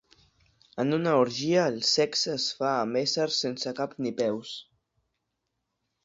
En una orgia el sexe es fa amb éssers sense cap ni peus.